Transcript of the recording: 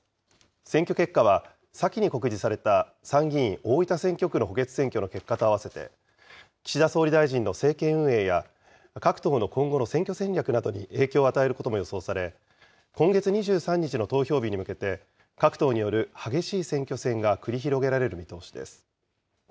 選挙結果は、先に告示された参議院大分選挙区の結果と合わせて、岸田総理大臣の政権運営や、各党の今後の選挙戦略などに影響を与えることも予想され、今月２３日の投票日に向けて、各党による激しい選挙戦が繰り広げられる見通しです。